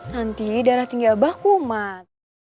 nanti darah tinggi abah kumat